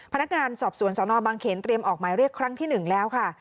พนักงานสอบสวนสนบางเขนเตรียมออกหมายเรียกครั้งที่๑แล้วค่ะ